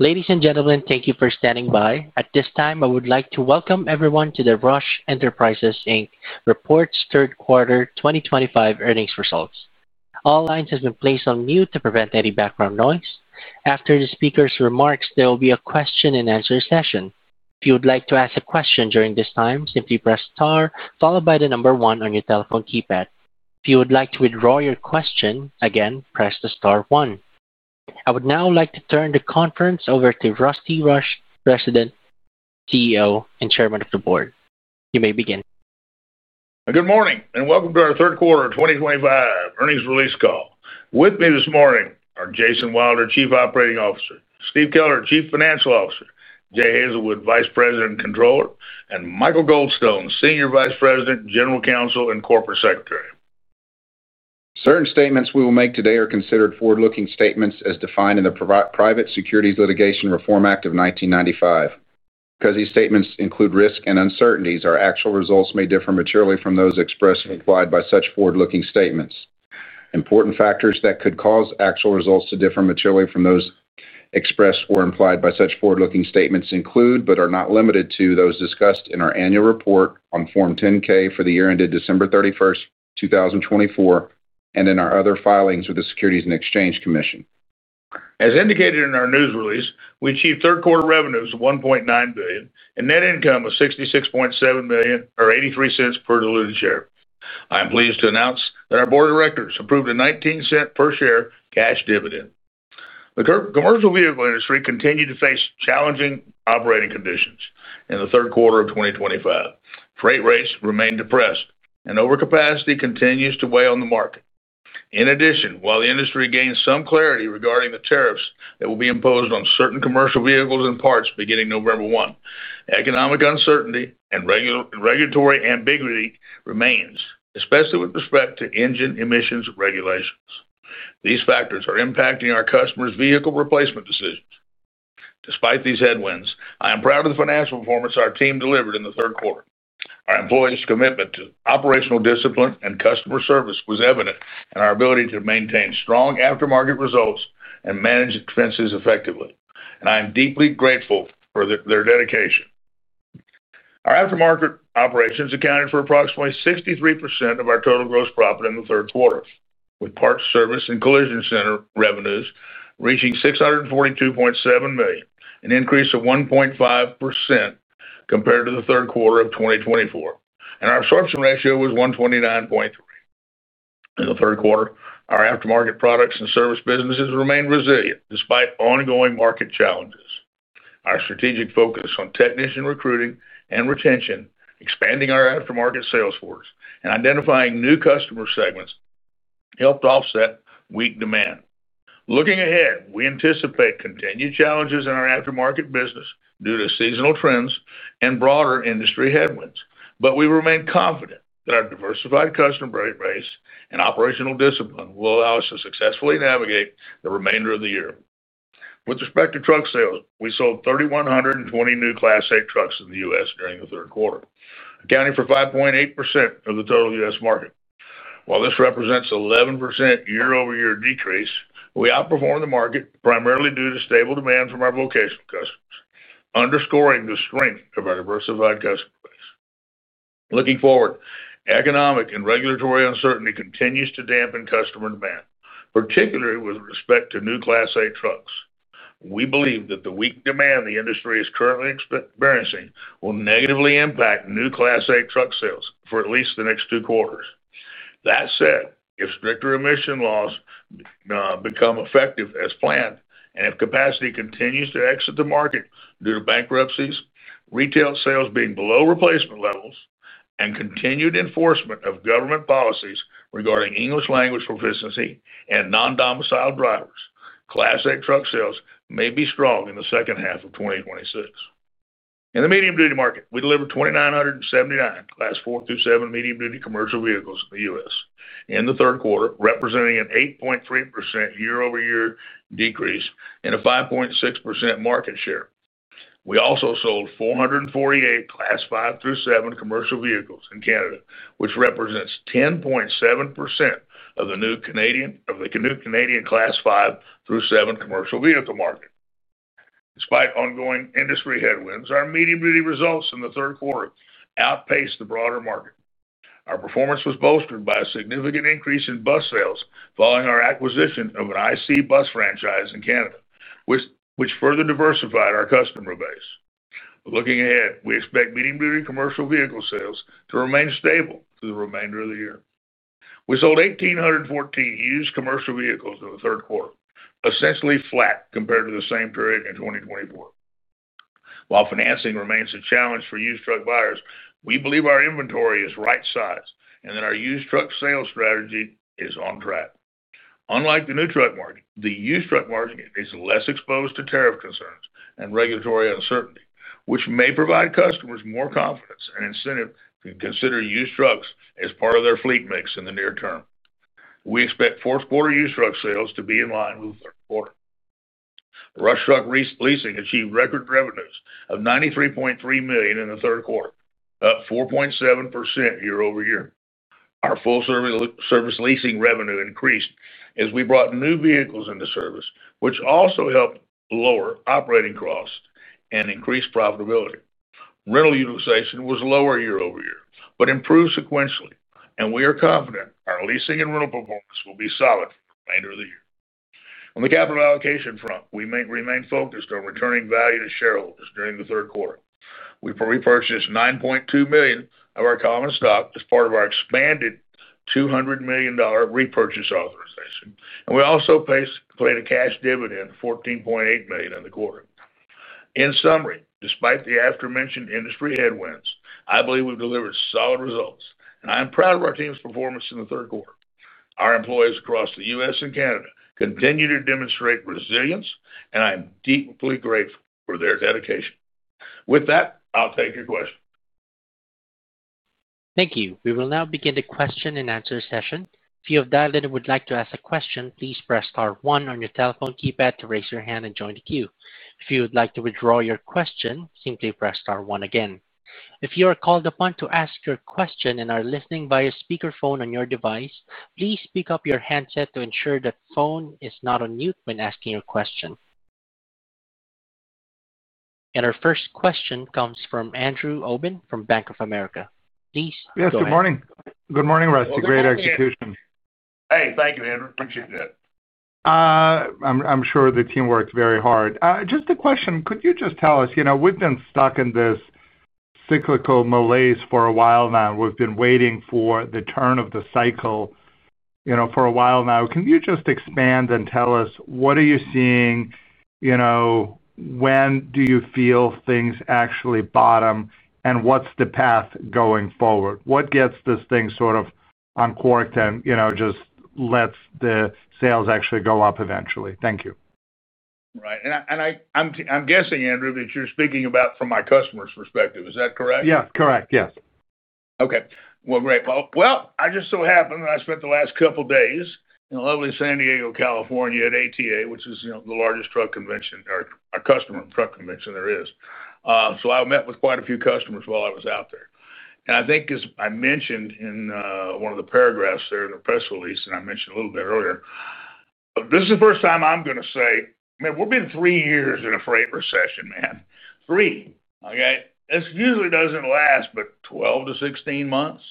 Ladies and gentlemen, thank you for standing by. At this time, I would like to welcome everyone to the Rush Enterprises, Inc third quarter 2025 earnings results. All lines have been placed on mute to prevent any background noise. After the speaker's remarks, there will be a question and answer session. If you would like to ask a question during this time, simply press STAR followed by the number one on your telephone keypad. If you would like to withdraw your question, press the star one. I would now like to turn the conference over to Rusty Rush, President, CEO and Chairman of the Board. You may begin. Good morning and welcome to our third quarter 2025 earnings release call. With me this morning are Jason Wilder, Chief Operating Officer, Steve Keller, Chief Financial Officer, Jay Hazelwood, Vice President and Controller, and Michael Goldstone, Senior Vice President, General Counsel and Corporate Secretary. Certain statements we will make today are considered forward-looking statements as defined in the Private Securities Litigation Reform Act of 1995. Because these statements include risks and uncertainties, our actual results may differ materially from those expressed or implied by such forward-looking statements. Important factors that could cause actual results to differ materially from those expressed or implied by such forward-looking statements include, but are not limited to, those discussed in our annual report on Form 10-K for the year ended December 31st, 2024, and in our other filings with the Securities and Exchange Commission. As indicated in our news release, we achieved third quarter revenues of $1.9 billion and net income of $66.7 million, or $0.83 per diluted share. I am pleased to announce that our board of directors approved a $0.19 per share cash dividend. The commercial vehicle industry continued to face challenging operating conditions in the third quarter of 2025. Freight rates remained depressed and overcapacity continues to weigh on the market. In addition, while the industry gains some clarity regarding the tariffs that will be imposed on certain commercial vehicles and parts beginning November 1, economic uncertainty and regulatory ambiguity remains, especially with respect to engine emissions regulations. These factors are impacting our customers' vehicle replacement decisions. Despite these headwinds, I am proud of the financial performance our team delivered in the third quarter. Our employees' commitment to operational discipline and customer service was evident in our ability to maintain strong aftermarket results and manage expenses effectively, and I am deeply grateful for their dedication. Our aftermarket operations accounted for approximately 63% of our total gross profit in the third quarter, with parts, service, and collision center revenues reaching $642.7 million, an increase of 1.5% compared to the third quarter of 2024, and our absorption ratio was 129.3% in the third quarter. Our aftermarket products and service businesses remained resilient despite ongoing market challenges. Our strategic focus on technician recruitment and retention, expanding our aftermarket sales force, and identifying new customer segments helped offset weak demand. Looking ahead, we anticipate continued challenges in our aftermarket business due to seasonal trends and broader industry headwinds, but we remain confident that our diversified customer base and operational discipline will allow us to successfully navigate the remainder of the year. With respect to truck sales, we sold 3,120 new Class 8 trucks in the U.S. during the third quarter, accounting for 5.8% of the total U.S. market. While this represents an 11% year-over-year decrease, we outperformed the market primarily due to stable demand from our vocational customers, underscoring the strength of our diversified customer base. Looking forward, economic and regulatory uncertainty continues to dampen customer demand, particularly with respect to new Class 8 trucks. We believe that the weak demand the industry is currently experiencing will negatively impact new Class 8 truck sales for at least the next two quarters. That said, if stricter emission laws become effective as planned, and if capacity continues to exit the market due to bankruptcies, retail sales being below replacement levels, and continued enforcement of government policies regarding English language proficiency and non-domicile drivers, Class 8 truck sales may be strong in the second half of 2026. In the medium duty market, we delivered 2,979 Class 4 through 7 medium duty commercial vehicles in the U.S. in the third quarter, representing an 8.3% year-over-year decrease and a 5.6% market share. We also sold 448 Class 5 through 7 commercial vehicles in Canada, which represents 10.7% of the new Canadian Class 5 through 7 commercial vehicle market. Despite ongoing industry headwinds, our medium duty results in the third quarter outpaced the broader market. Our performance was bolstered by a significant increase in bus sales following our acquisition of an IC Bus franchise in Canada, which further diversified our customer base. Looking ahead, we expect medium duty commercial vehicle sales to remain stable through the remainder of the year. We sold 1,814 used commercial vehicles in the third quarter, essentially flat compared to the same period in 2024. While financing remains a challenge for used truck buyers, we believe our inventory is right-sized and that our used truck sales strategy is on track. Unlike the new truck market, the used truck margin is less exposed to tariff concerns and regulatory uncertainty, which may provide customers more confidence and incentive to consider used trucks as part of their fleet mix. In the near term, we expect fourth quarter used truck sales to be in line with third quarter Rush. Truck leasing achieved record revenues of $93.3 million in the third quarter, up 4.7% year-over-year. Our full service leasing revenue increased as we brought new vehicles into service, which also helped lower operating costs and increased profitability. Rental utilization was lower year-over-year, but improved sequentially, and we are confident our leasing and rental performance will be solid for the remainder of the year. On the capital allocation front, we remain focused on returning value to shareholders. During the third quarter, we repurchased $9.2 million of our common stock as part of our expanded $200 million repurchase authorization, and we also paid a cash dividend of $14.8 million in the quarter. In summary, despite the aforementioned industry headwinds, I believe we've delivered solid results and I am proud of our team's performance in the third quarter. Our employees across the U.S. and Canada continue to demonstrate resilience and I am deeply grateful for their dedication. With that, I'll take your question. Thank you. We will now begin the question and answer session. If you have dialed in and would like to ask a question, please press star one on your telephone keypad to raise your hand and join the queue. If you would like to withdraw your question, simply press star one again. If you are called upon to ask your question and are listening via speakerphone on your device, please pick up your handset to ensure that phone is not on mute when asking a question. Our first question comes from Andrew Obin from Bank of America, please. Yes, good morning. Good morning, Rusty. Great execution. Hey, thank you, Andrew. Appreciate that. I'm sure the team worked very hard. Just a question. Could you just tell us, you know, we've been stuck in this cyclical malaise for a while now. We've been waiting for the turn of the cycle for a while now. Can you just expand and tell us what are you seeing? When do you feel things actually bottom and what's the path going forward? What gets this thing sort of uncorked and just lets the sales actually go up eventually? Thank you. Right. I'm guessing, Andrew, that you're speaking about from my customer's perspective, is that correct? Yes. Correct. Yes. Okay, great. I just so happened that I spent the last couple days in lovely San Diego, California at ATA, which is the largest truck convention or customer truck convention there is. I met with quite a few customers while I was out there. I think, as I mentioned in one of the paragraphs in the press release, and I mentioned a little bit earlier, this is the first time I'm going to say we've been three years in a freight recession, man, three years. This usually doesn't last but 12-16 months.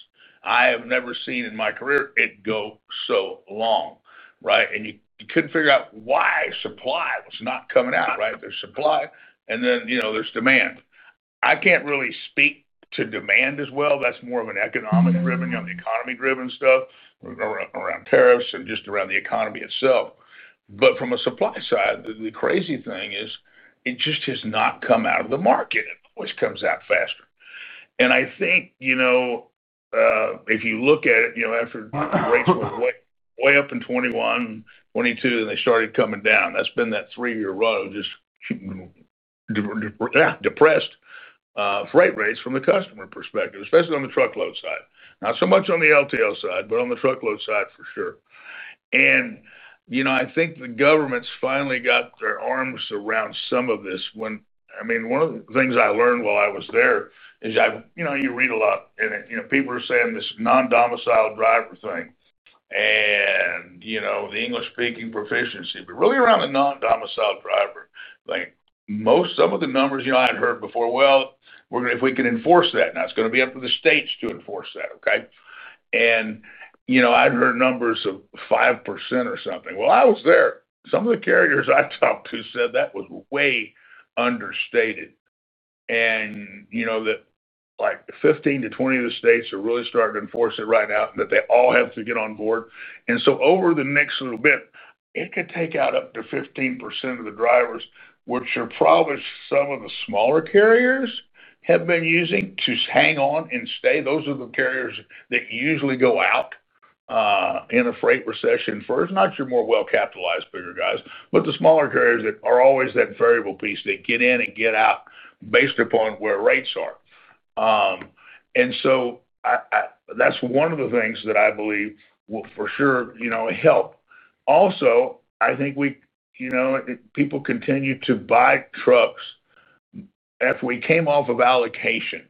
I have never seen in my career it go so long. Right. You couldn't figure out why supply was not coming out. Right. There's supply and then there's demand. I can't really speak to demand as well. That's more of an economy driven stuff around tariffs and just around the economy itself. From a supply side, the crazy thing is it just has not come out of the market. It always comes out faster. I think if you look at it after rates were way up in 2021, 2022 and they started coming down, that's been that three year run of just depressed freight rates from the customer perspective, especially on the truckload side. Not so much on the LTL side, but on the truckload side for sure. I think the government's finally got their arms around some of this. One of the things I learned while I was there is, you know, you read a lot and people are saying this non-domicile driver thing and the English speaking proficiency, but really around the non-domicile driver thing, most, some of the numbers I'd heard before, well, if we can enforce that now it's going to be up to the states to enforce that. I'd heard numbers of 5% or something. While I was there, some of the carriers I talked to said that was way understated. Like 15-20 of the states are really starting to enforce it right now, that they all have to get on board. Over the next little bit it could take out up to 15% of the drivers, which are probably some of the smaller carriers have been using to hang on and stay. Those are the carriers that usually go out in a freight recession first. Not your more well-capitalized bigger guys, but the smaller carriers that are always that variable piece, they get in and get out based upon where rates are. That's one of the things that I believe will for sure help. Also, I think people continue to buy trucks if we came off of allocation.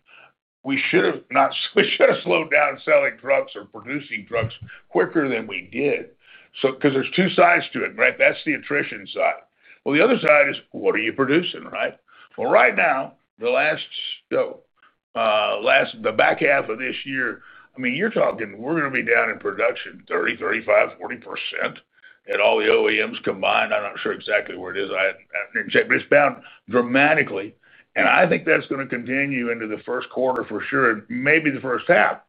We. Should have slowed down selling trucks or producing trucks quicker than we did. Because there's two sides to it. Right. That's the attrition side. The other side is what are you producing? Right. Right now, the last, the back half of this year, I mean you're talking we're going to be down in production 30%, 35%, 40% at all the OEMs combined. I'm not sure exactly where it is, but it's down dramatically. I think that's going to continue into the first quarter for sure, maybe the first half.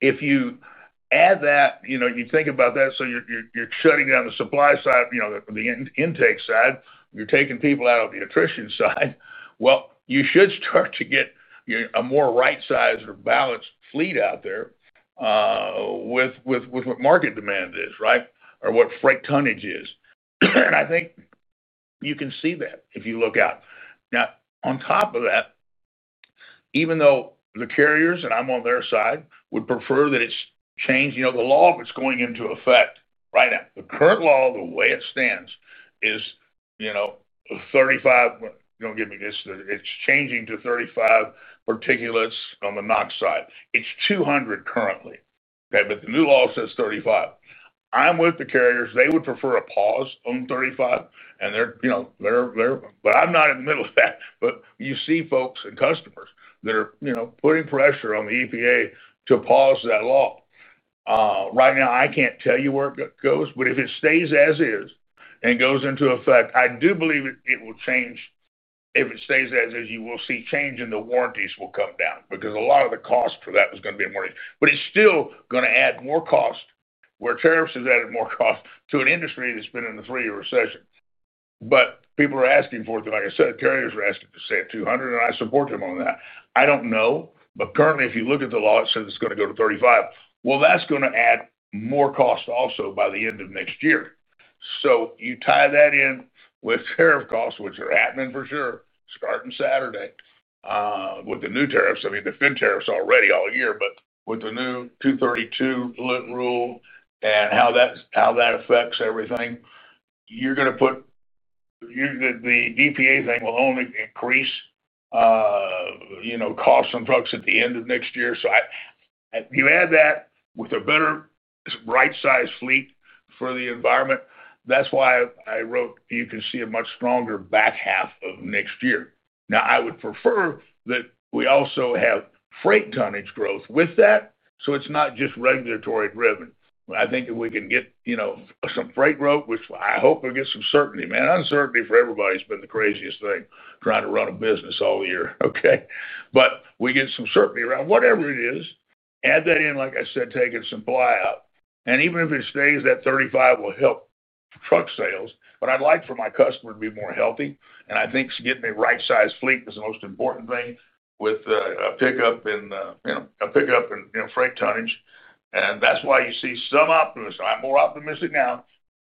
If you add that, you think about that. You're shutting down the supply side, the intake side, you're taking people out of the attrition side. You should start to get a more right size or balanced fleet out there with what market demand is or what freight tonnage is. I think you can see that if you look out now. On top of that, even though the carriers, and I'm on their side, would prefer that it's changed. You know the law that's going into effect right now, the current law, the way it stands is, you know, 35. Don't give me this, it's changing to 35 particulates. On the NOx side, it's 200 currently. The new law says 35. I'm with the carriers, they would prefer a pause on 35 and they're, you know, they're there but I'm not in the middle of that. You see folks and customers that are, you know, putting pressure on the EPA to pause that law right now. I can't tell you where it goes, but if it stays as is and goes into effect, I do believe it will change. If it stays as is, you will see change in the warranties will come down because a lot of the cost for that was going to be a warranty, but it's still going to add more cost where tariffs has added more cost to an industry that's been in the three year recession. People are asking for it. Like I said, carriers are asking to stay at 200 and I support them on that. I don't know. Currently, if you look at the law, it says it's going to go to 35. That's going to add more cost also by the end of next year. You tie that in with tariff costs which are happening for sure starting Saturday with the new tariffs. I mean, defend tariffs already all year but with the new 232 rule and how that affects everything, you're going to put the DPA thing will only increase, you know, cost on trucks at the end of next year. You add that with a better right size fleet for the environment. That's why I wrote you can see a much stronger back half of next year. Now I would prefer that we also have freight tonnage growth with that. It's not just regulatory driven. I think if we can get, you know, some freight growth, which I hope we get some certainty. Man, uncertainty for everybody's been the craziest thing trying to run a business all year. We get some certainty around whatever it is. Add that in, like I said, take supply out. Even if it stays, that 35 will help truck sales. I'd like for my customer to be more healthy and I think getting a right size fleet is the most important thing with a pickup in, you know, a pickup in freight tonnage. That's why you see some optimism. I'm more optimistic now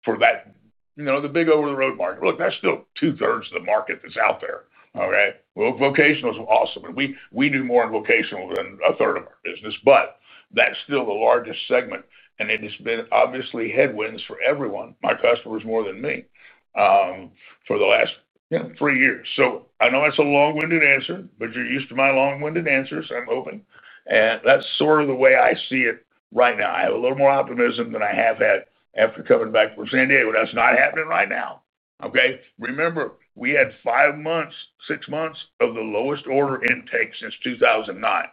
for that. The big over the road market, that's still two thirds of the market that's out there. Vocational is awesome and we do more in vocational than a third of our business, but that's still the largest segment and it has been obviously headwinds for everyone, my customers more than me for the last, yeah, three years. I know it's a long-winded answer, but you're used to my long-winded answers. I'm hoping. That's sort of the way I see it right now. I have a little more optimism than I have had after coming back from San Diego. That's not happening right now. Remember we had five months, six months of the lowest order intake since 2009.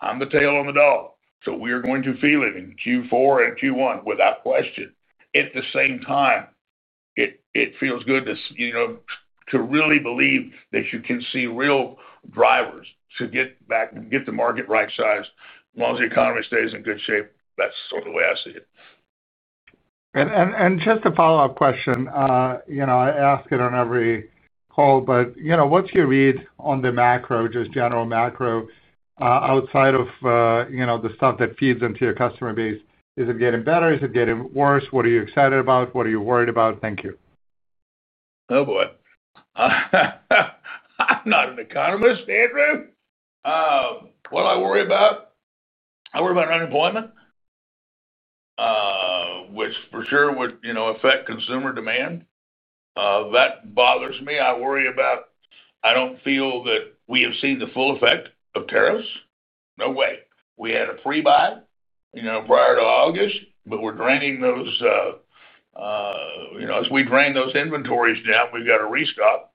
I'm the tail on the dog. We are going to feel it in Q4 and Q1 without question. At the same time, it feels good to really believe that you can see real drivers to get the market right sized as long as the economy stays in good shape. That's the way I see it. Just a follow up question. I ask it on every call. What's your read on the macro? Just general macro. Outside of the stuff that feeds into your customer base, is it getting better? Is it getting worse? What are you excited about? What are you worried about? Thank you. Oh boy. I'm not an economist, Andrew. What I worry about, I worry about unemployment, which for sure would affect consumer demand. That bothers me. I worry about, I don't feel that we have seen the full effect of tariffs. No way. We had a free buy, you know, prior to August. We're draining those, you know, as we drain those inventories down, we've got a restock.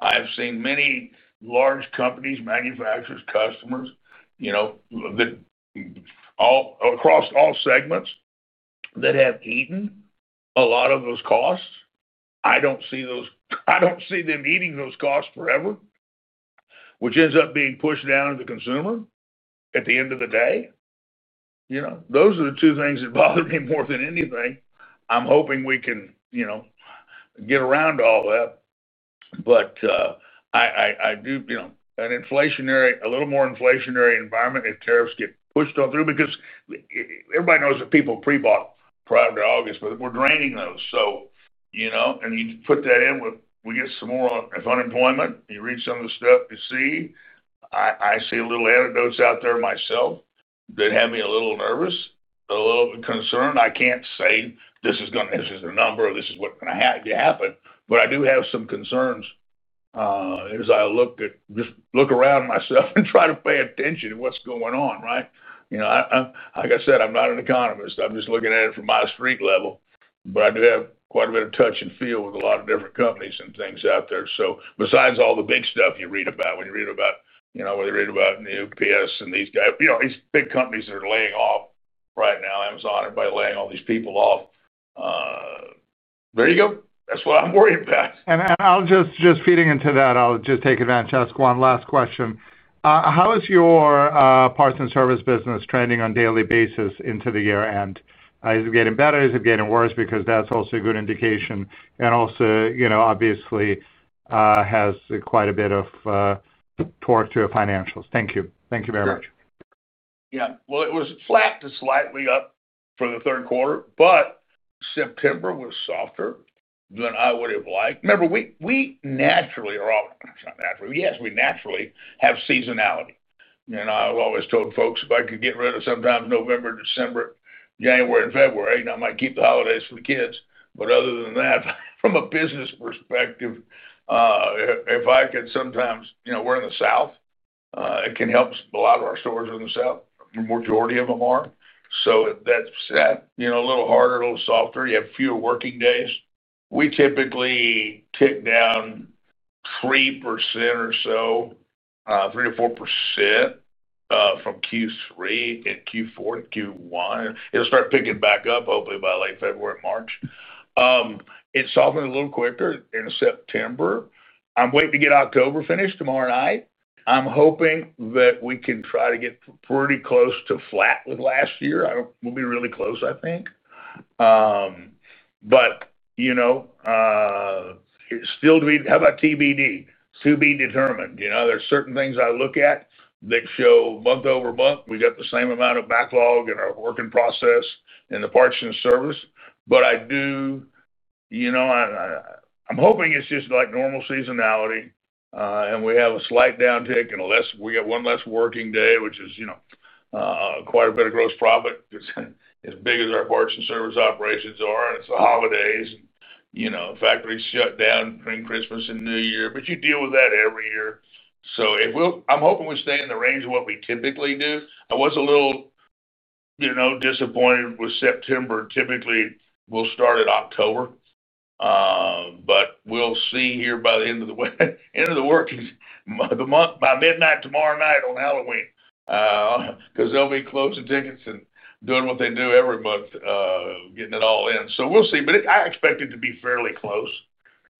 I have seen many large companies, manufacturers, customers, you know, that all across all segments that have eaten a lot of those costs. I don't see those, I don't see them eating those costs forever, which ends up being pushed down to the consumer at the end of the day. Those are the two things that bother me more than anything. I'm hoping we can get around all that, but I do a little more inflationary environment if tariffs get pushed on through because everybody knows that people pre-bought prior to August, but we're draining those. You know, and you put that in with, we get some more unemployment. You read some of the stuff you see, I see a little anecdotes out there myself that had me a little nervous, a little bit concerned. I can't say this is going to, this is the number, this is what's going to happen. I do have some concerns as I look at, just look around myself and try to pay attention to what's going on. You know, like I said, I'm not an economist. I'm just looking at it from my street level. I do have quite a bit of touch and feel with a lot of different companies and things out there. Besides all the big stuff you read about, when you read about, whether you read about UPS and these guys, these big companies are laying off right now, Amazon, everybody, laying all these people off. There you go. That's what I'm worried about, just feeding into that. I'll just take advantage, ask one last question. How is your parts and service business trending on a daily basis into the year end? Is it getting better, is it getting worse? Because that's also a good indication and also, you know, obviously has quite a bit of torque to the financials. Thank you. Thank you very much. Yeah, it was flat to slightly up for the third quarter, but September was softer than I would have liked. Remember, we naturally are all naturally, yes, we naturally have seasonality. I always told folks if I could get rid of sometimes November, December, January and February, I might keep the holidays for the kids. Other than that, from a business perspective, if I could. Sometimes, you know, we're in the South, it can help a lot of our stores in the South, majority of them are, so that, you know, a little harder, a little softer, you have fewer working days. We typically tick down 3% or so, 3%-4% from Q3 and Q4 and Q1. It'll start picking back up hopefully by late February, March, it's solving a little quicker in September. I'm waiting to get October finished tomorrow night. I'm hoping that we can try to get pretty close to flat with last year. We'll be really close, I think, but you know, still to be determined. You know, there are certain things I look at that show month over month. We got the same amount of backlog and our work in process in the parts and service. I do, you know, I'm hoping it's just like normal seasonality and we have a slight downtick, and we got one less working day, which is, you know, quite a bit of gross profit, as big as our parts and service operations are. It's the holidays. You know, factories shut down during Christmas and New Year, but you deal with that every year. I'm hoping we stay in the range of what we typically do. I was a little, you know, disappointed with September. Typically, we'll start in October, but we'll see here by the end of the month, by midnight tomorrow night on Halloween, because they'll be closing tickets and doing what they do every month, getting it all in. We'll see. I expect it to be fairly close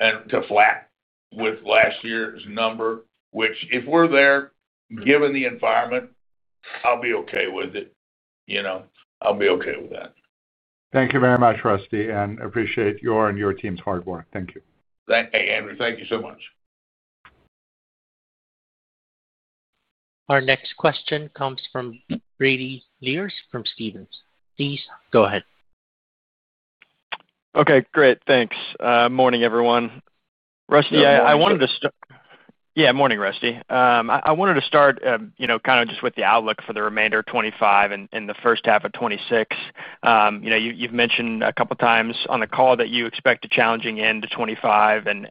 and to flat with last year's number, which if we're there, given the environment, I'll be okay with it. I'll be okay with that. Thank you very much, Rusty, and appreciate your and your team's hard work. Thank you. Hey Andrew, thank you so much. Our next question comes from Brady Lierz from Stephens. Please go ahead. Okay, great, thanks. Morning everyone. Rusty, I wanted to start. Morning, Rusty. I wanted to start, you know, kind of just with the outlook for the remainder of 2025 and the first half of 2026. You know, you've mentioned a couple times on the call that you expect a challenging end to 2025 and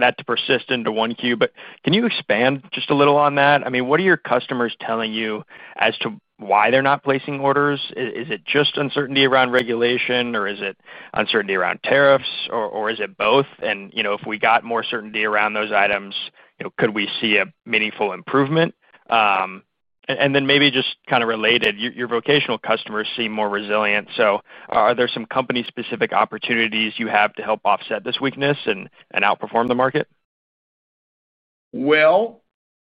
that to persist into 1Q. Can you expand just a little on that? I mean, what are your customers telling you as to why they're not placing orders? Is it just uncertainty around regulation or is it uncertainty around tariffs? Is it both? If we got more certainty around those items, could we see a meaningful improvement? Maybe just kind of related, your vocational customers seem more resilient. Are there some company specific opportunities you have to help offset this weakness and outperform the market?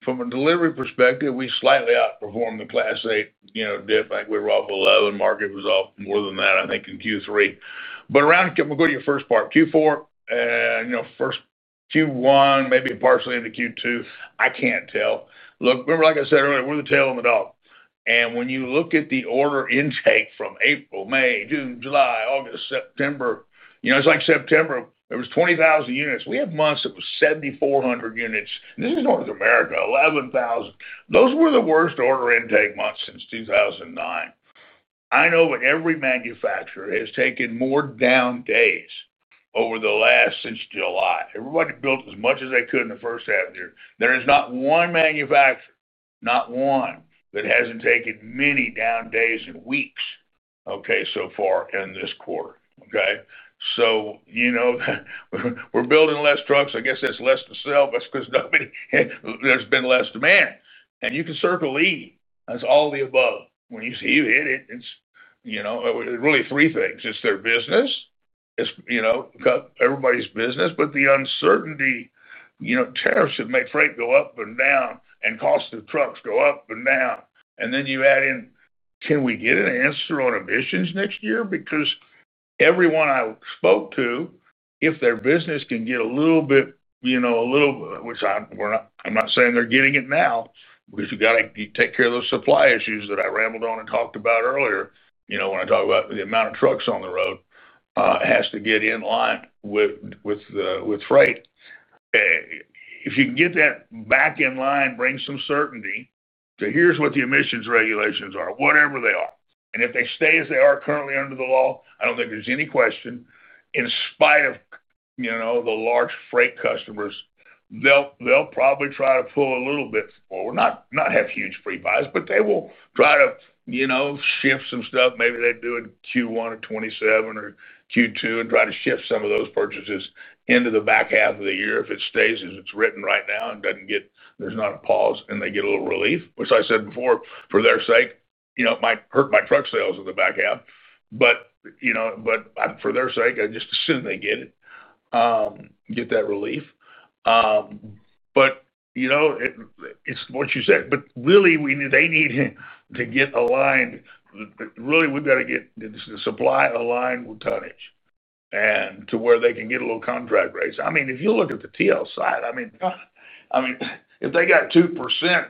From a delivery perspective, we slightly outperformed the Class 8 dip. I think we were off 11. Market was off more than that, I think in Q3, but around. To your first part, Q4, Q1, maybe partially into Q2, I can't tell. Remember like I said earlier, we're the tail on the dog. When you look at the order intake from April, May, June, July, August, September, it's like September, there was 20,000 units. We have months that was 7,400 units. This is North America, 11,000. Those were the worst order intake months since 2009. Every manufacturer has taken more down days over the last. Since July, everybody built as much as they could in the first half year. There is not one manufacturer, not one, that hasn't taken many down days and weeks so far in this quarter. We're building less trucks. I guess that's less to sell, but there's been less demand. You can circle E, that's all the above. When you see you hit it, it's really three things. It's their business, it's everybody's business. The uncertainty, tariffs should make freight go up and down and cost of trucks go up and down. Then you add in, can we get an answer on emissions next year? Because everyone I spoke to, if their business can get a little bit, you know, a little. We're not, I'm not saying they're getting it now because you got to take care of those supply issues that I rambled on and talked about earlier. When I talk about the amount of trucks on the road has to get in line with freight. If you get that back in line, bring some certainty. So here's what the emissions regulations are, whatever they are, and if they stay as they are currently under the law, I don't think there's any question, in spite of the large freight customers, they'll probably try to pull a little bit forward, not have huge pre-buys. They will try to shift some stuff, maybe they do in Q1 or 2027 or Q2, and try to shift some of those purchases into the back half of the year. If it stays as it's written right now and there's not a pause and they get a little relief, which I said before, for their sake, might hurt my truck sales in the back half. For their sake, I just assume they get it, get that relief. It's what you said. Really, we knew they need to get aligned. Really, we've got to get the supply aligned with tonnage to where they can get a little contract raise. If you look at the TL side, if they got 2%,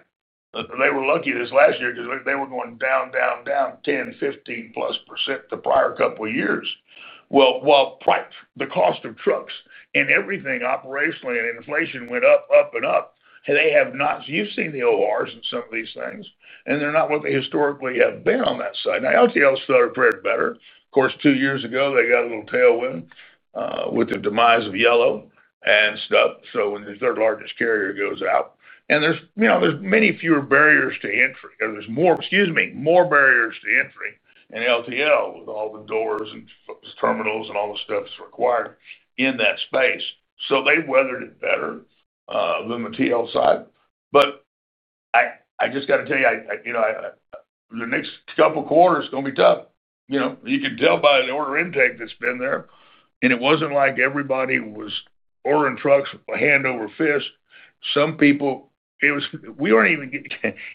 they were lucky this last year because they were going down, down, down 10%, 15%+ the prior couple years. The cost of trucks and everything operationally and inflation went up, up, and up. They have not, you've seen the ORs and some of these things, and they're not what they historically have been on that side. LTL started far better, of course, two years ago. They got a little tailwind with the demise of Yellow and stuff. When the third largest carrier goes out and there are more barriers to entry in LTL with all the doors and terminals and all the stuff required in that space, they weathered it better than the TL side. I just got to tell you, the next couple quarters are going to be tough. You could tell by the order intake that's been there. It wasn't like everybody was ordering trucks hand over fist. Some people it was, we weren't even.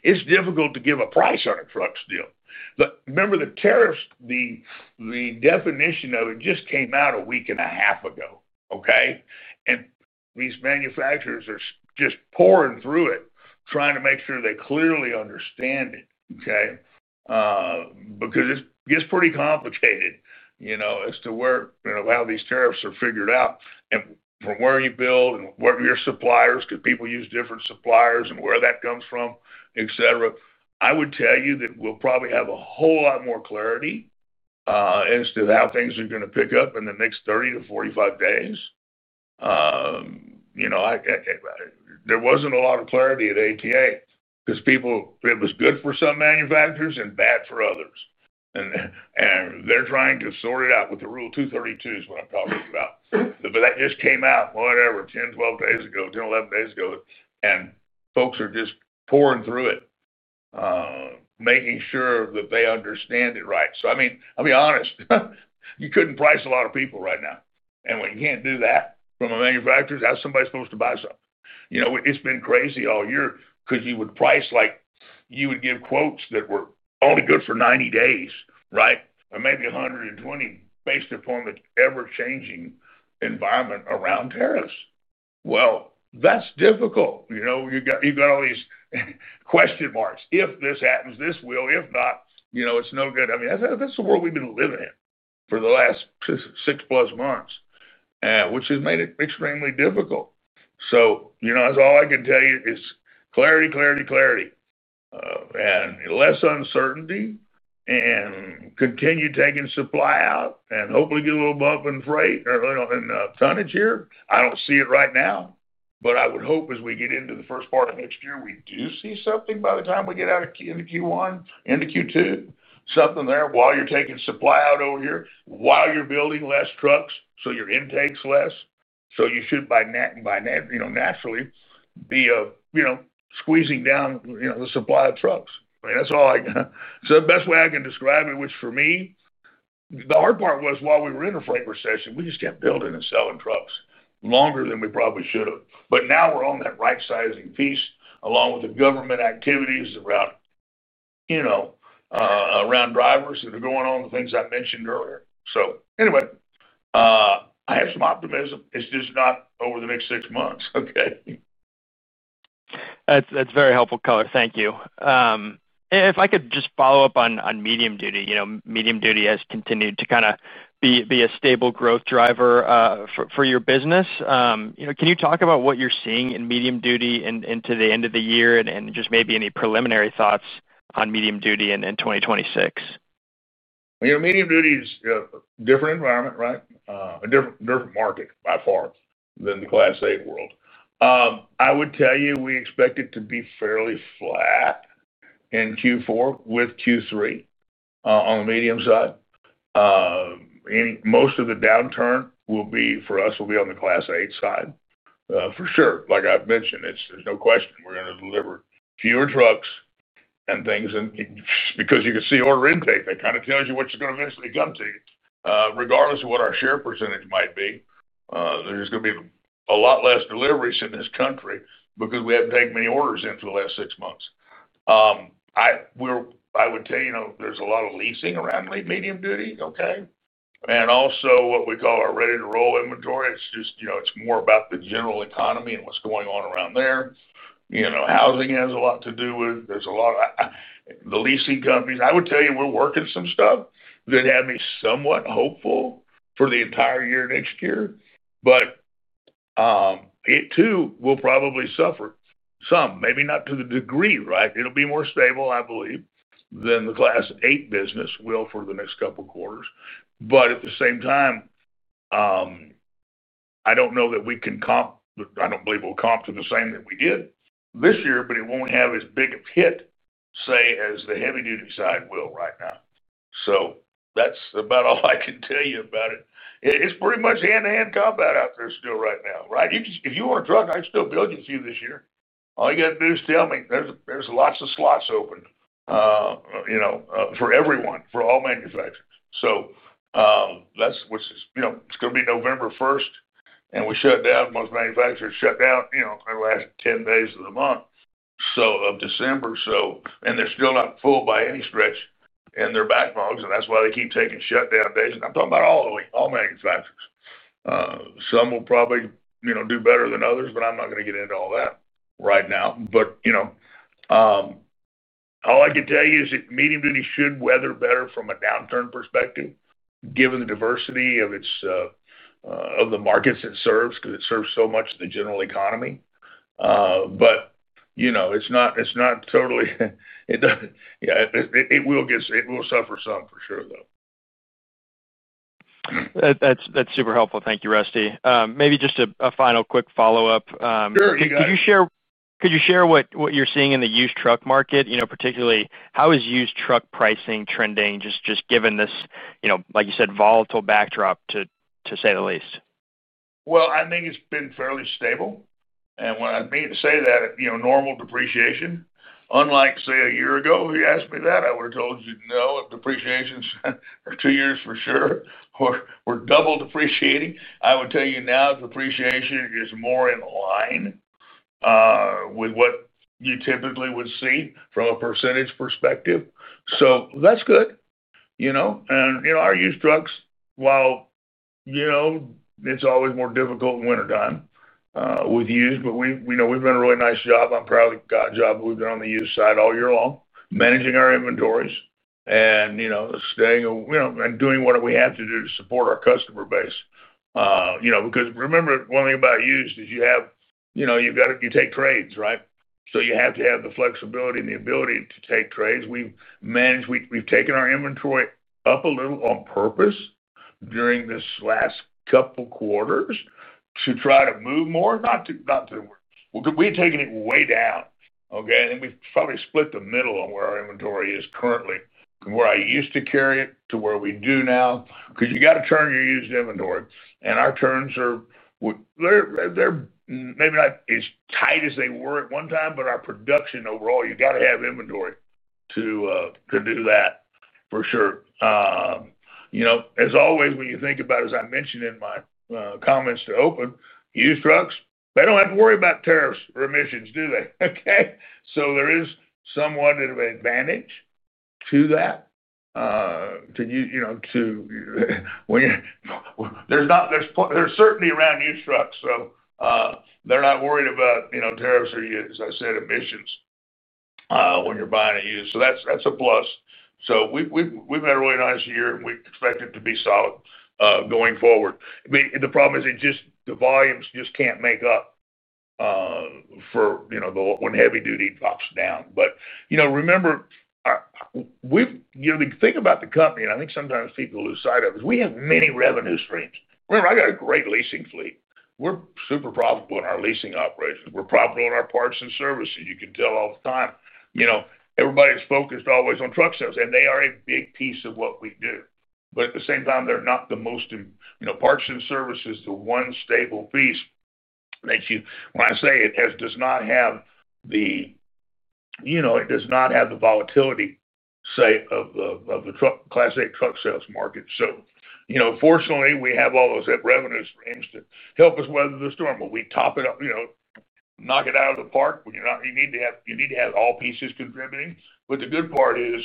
It's difficult to give a price on a truck still. Remember the tariffs. The definition of it just came out a week and a half ago, okay? These manufacturers are just pouring through it, trying to make sure they clearly understand it, okay? It gets pretty complicated as to how these tariffs are figured out and from where you build and what your suppliers could be, people use different suppliers and where that comes from, etc. I would tell you that we'll probably have a whole lot more clarity as to how things are going to pick up in the next 30-45 days. There wasn't a lot of clarity at ATA because it was good for some manufacturers and bad for others, and they're trying to sort it out with the Rule 232 is what I'm talking about. That just came out, whatever, 10, 12 days ago, 10, 11 days ago. Folks are just pouring through it, making sure that they understand it right. I'll be honest. You couldn't price a lot of people right now. When you can't do that from a manufacturer, that's somebody supposed to buy some. It's been crazy all year because you would price, like you would give quotes that were only good for 90 days, right? Maybe 120 based upon the ever-changing environment around tariffs. That's difficult. You know, you've got all these question marks. If this happens, this will. If not, you know, it's no good. I mean, that's the world we've been living in for the last six plus months, which has made it extremely difficult. That's all I can tell you is clarity, clarity, clarity and less uncertainty and continue taking supply out and hopefully get a little bump in freight or tonnage here. I don't see it right now, but I would hope as we get into the first part of next year, we do see something by the time we get out of Q1 into Q2, something there while you're taking supply out over here, while you're building less trucks so your intake's less. You should naturally be squeezing down the supply of trucks. That's all I got. The best way I can describe it, which for me the hard part was while we were in a freight recession, we just kept building and selling trucks longer than we probably should have. Now we're on that right sizing piece along with the government activities around drivers that are going on, the things I mentioned earlier. Anyway, I have some optimism. It's just not over the next six months. That's very helpful. Color. Thank you. If I could just follow up on medium duty. Medium duty has continued to be a stable growth driver for your business. Can you talk about what you're seeing in medium duty into the end of the year, and just maybe any preliminary thoughts on medium duty in 2026? Medium duty is a different environment. Right. A different market by far than the Class 8 world. I would tell you we expect it to be fairly flat in Q4 with Q3 on the medium side. Most of the downturn for us will be on the Class 8 side for sure. Like I've mentioned, there's no question we're going to deliver fewer trucks and things. Because you can see order intake, that kind of tells you what you're going to eventually come to. Regardless of what our share percentage might be, there's going to be a lot less deliveries in this country because we haven't taken many orders in for the last six months. I would tell you there's a lot of leasing around medium duty. Okay. Also, what we call our ready to roll inventory. It's just, you know, it's more about the general economy and what's going on around there. You know, housing has a lot to do with it. There's a lot of the leasing companies. I would tell you we're working some stuff that had me somewhat hopeful for the entire year next year. It too will probably suffer some, maybe not to the degree. Right. It'll be more stable, I believe, than the Class 8 business will for the next couple quarters. At the same time, I don't know that we can comp. I don't believe we'll comp to the same that we did this year. It won't have as big a hit, say, as the heavy duty side will right now. That's about all I can tell you about it. It's pretty much hand to hand combat out there still right now, right. If you want a truck, I can still build you to you this year. All you got to do is tell me. There's lots of slots open, you know, for everyone, for all manufacturers. It's going to be November 1st and we shut down, most manufacturers shut down, you know, last 10 days of the month of December. They're still not full by any stretch in their backlogs and that's why they keep taking shutdown days. I'm talking about all manufacturers. Some will probably do better than others. I'm not going to get into all that right now. All I can tell you is that medium duty should weather better from a downturn perspective given the diversity of the markets it serves because it serves so much the general economy. It's not totally. It will suffer some for sure though. That's super helpful, thank you, Rusty. Maybe just a final quick follow-up. Could you share what you're seeing in the used truck market, particularly how is used truck pricing trending, just given this, like you said, volatile backdrop to say the least? I think it's been fairly stable. When I mean to say that, normal depreciation, unlike say a year ago, if you asked me that, I would have told you no. If depreciation or two years for sure, we were double depreciating. I would tell you now depreciation is more in line with what you typically would see from a % perspective. That's good. You know, our used trucks, while it's always more difficult in wintertime with used, we've done a really nice job. I'm proud of the job. We've been on the used side all year long managing our inventories and staying and doing what we have to do to support our customer base, because remember one thing about used is you have, you know, you've got it, you take trades, right? You have to have the flexibility and the ability to take trades. We've managed, we've taken our inventory up a little on purpose during this last couple quarters to try to move more, not to be taking it way down. We probably split the middle of where our inventory is currently, where I used to carry it to where we do now, because you got to turn your used inventory. Our turns are maybe not as tight as they were at one time, but our production overall, you got to have inventory to do that for sure. As always, when you think about, as I mentioned in my comments, to open used trucks, they don't have to worry about tariffs or emissions, do they? There is somewhat of an advantage to that, to when you. There's not. There's certainty around used trucks. They're not worried about tariffs or, as I said, emissions when you're buying a used. That's a plus. We've had a really nice year and we expect it to be solid going forward. The problem is the volumes just can't make up for when heavy duty drops down. Remember, the thing about the company, and I think sometimes people lose sight of, is we have many revenue streams. Remember, I got a great leasing fleet. We're super profitable in our leasing operations. We're profitable in our parts and services. You can tell all the time. Everybody's focused always on truck sales and they are a big piece of what we do, but at the same time, they're not the most, you know, parts and services. The one stable piece that you, when I say it as, does not have the, you know, it does not have the volatility, say, of the truck, classic truck sales market. Fortunately, we have all those revenues, for instance, help us weather the storm. We top it up, you know, knock it out of the park when you're not. You need to have. You need to have all pieces contributing. The good part is,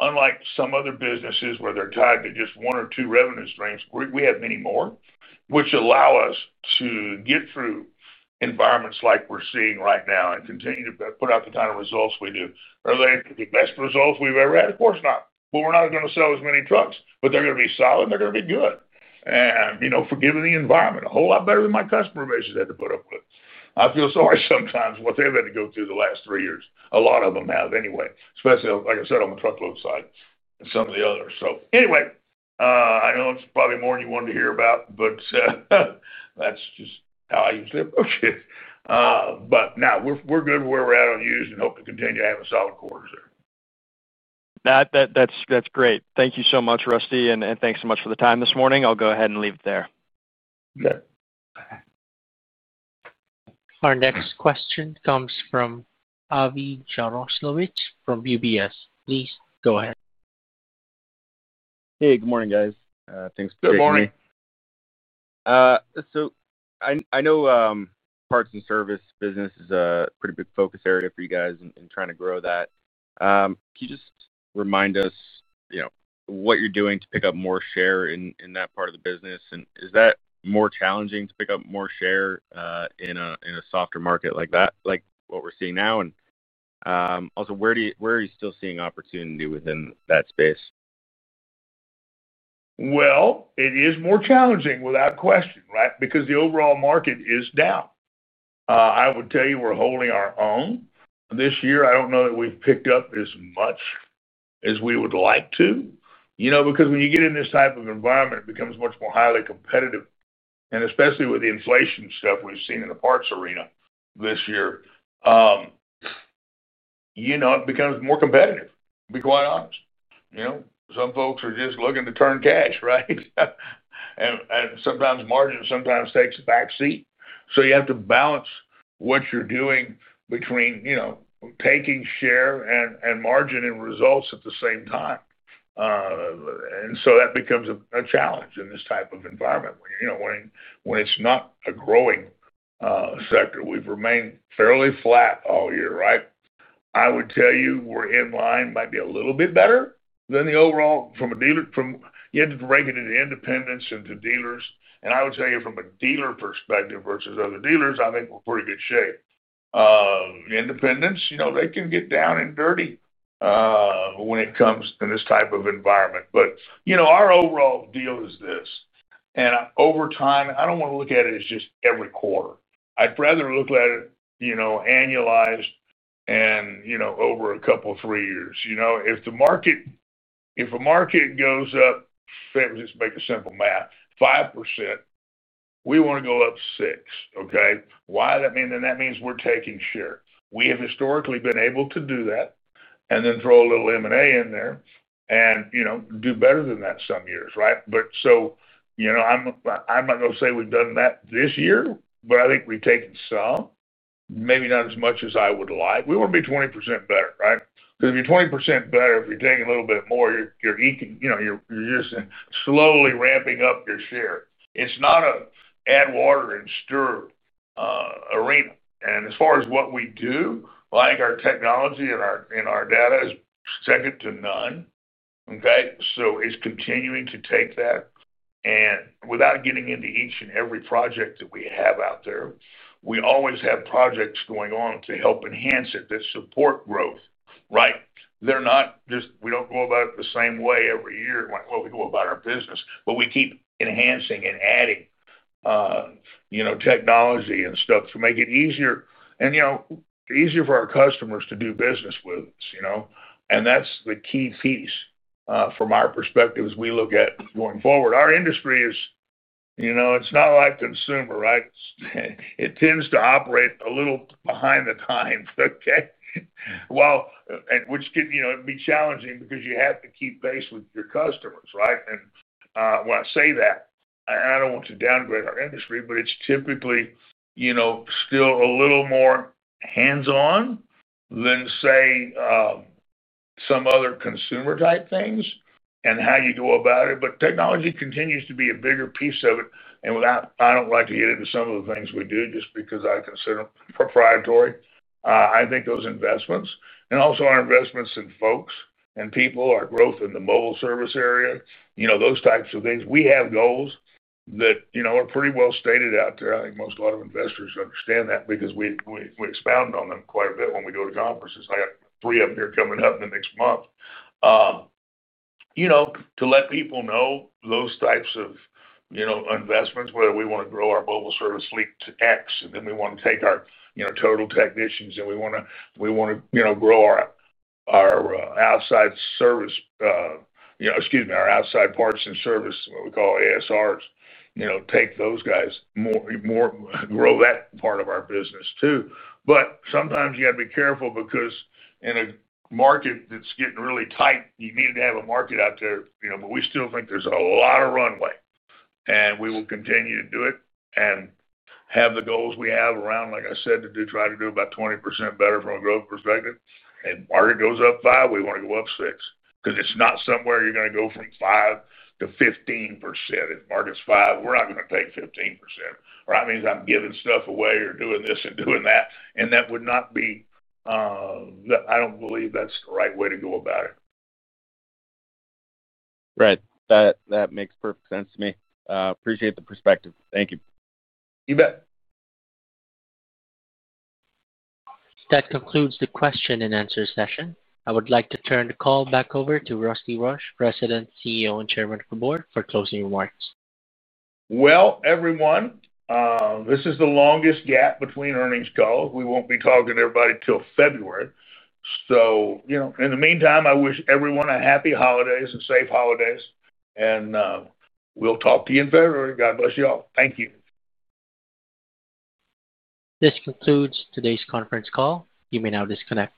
unlike some other businesses where they're tied to just one or two revenue streams, we have many more which allow us to get through environments like we're seeing right now and continue to put out the kind of results we do. Are they the best results we've ever had? Of course not. We're not going to sell as many trucks. They're going to be solid, they're going to be good and, you know, forgiving the environment a whole lot better than my customer bases had to put up with. I feel sorry sometimes what they've had to go through the last three years. A lot of them have anyway, especially, like I said, on the truckload side and some of the others. I know it's probably more than you wanted to hear about, but that's just how I usually approach it. Now we're good where we're at on used and hope to continue having solid quarters there. That's great. Thank you so much, Rusty. Thank you so much for the time this morning. I'll go ahead and leave it there. Good. Our next question comes from Avi Jaroslawicz from UBS. Please go ahead. Hey, good morning, guys. Thanks. Good morning. I know parts and service business is a pretty big focus area for you guys in trying to grow that. Can you just remind us what you're doing to pick up more share in that part of the business? Is that more challenging to pick up more share in a softer market like that, like what we're seeing now? Also, where are you still seeing opportunity within that space? It is more challenging without question, right, because the overall market is down. I would tell you we're holding our own this year. I don't know that we've picked up as much as we would like to, because when you get in this type of environment, it becomes much more highly competitive. Especially with the inflation stuff we've seen in the parts arena this year, it becomes more competitive. To be quite honest, some folks are just looking to turn cash, right, and sometimes margin takes a back seat. You have to balance what you're doing between taking share and margin and results at the same time. That becomes a challenge in this type of environment when it's not a growing sector. We've remained fairly flat all year. I would tell you we're in line, might be a little bit better than the overall. From a dealer, you had to rank it into independents and to dealers. I would tell you from a dealer perspective versus other dealers, I think we're in pretty good shape. Independents, they can get down and dirty when it comes in this type of environment. Our overall deal is this, and over time, I don't want to look at it as just every quarter. I'd rather look at it annualized and over a couple, three years. If the market, if a market goes up, just make a simple math 5%, we want to go up 6%. That means we're taking share. We have historically been able to do that and then throw a little M&A in there and do better than that some years, right. I'm not going to say we've done that this year, but I think we've taken some, maybe not as much as I would like. We want to be 20% better, right, because if you're 20% better, if you're taking a little bit more, you're just slowly ramping up your share. It's not an add water and stir arena. As far as what we do, our technology and our data is second to none, okay. It's continuing to take that, and without getting into each and every project that we have out there, we always have projects going on to help enhance it that support growth. They're not just, we don't go about it the same way every year. We go about our business, but we keep enhancing and adding, you know, technology and stuff to make it easier and, you know, easier for our customers to do business with us. That's the key piece from our perspective as we look at going forward. Our industry is, you know, it's not like consumer. It tends to operate a little behind the time, which can, you know, be challenging because you have to keep pace with your customers. When I say that, and I don't want to downgrade our industry, but it's typically, you know, still a little more hands on than, say, some other consumer type things and how you go about it. Technology continues to be a bigger piece of it, and I don't like to get into some of the things we do just because I consider proprietary. I think those investments and also our investments in folks and people, our growth in the mobile service area, you know, those types of things, we have goals that, you know, are pretty well stated out there. I think a lot of investors understand that because we expound on them quite a bit when we go to conferences. I got three of them here coming up in the next month, you know, to let people know those types of, you know, investments. Whether we want to grow our mobile service fleet to X and then we want to take our, you know, total technicians and we want to, you know, grow our outside service, you know, excuse me, our outside parts and service, what we call ASRs, you know, take those guys more, more, grow that part of our business too. Sometimes you gotta be careful because in a market that's getting really tight, you need to have a market out there, you know, but we still think there's a lot of runway and we will continue to do it and have the goals we have around. Like I said, try to do about 20% better from a growth perspective. If market goes up 5%, we want to go up 6% because it's not somewhere you're going to go from 5% to 15%. If market's 5%, we're not going to take 15%, or that means I'm giving stuff away or doing this and doing that. That would not be that. I don't believe that's the right way to go about it. That makes perfect sense to me. Appreciate the perspective. Thank you. You bet. That concludes the question and answer session. I would like to turn the call back over to Rusty Rush, President, CEO and Chairman of the Board, for closing remarks. This is the longest gap between earnings calls. We won't be talking to everybody till February. In the meantime, I wish everyone a happy holidays and safe holidays, and we'll talk to you in February. God bless you all. Thank you. This concludes today's conference call. You may now disconnect.